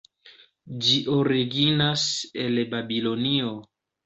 Ĝi originas el Babilonio.